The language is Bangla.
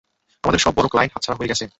আমাদের সব বড় ক্লায়েন্ট হাতছাড়া হয়ে গেছে।